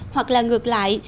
hoặc là ngược lại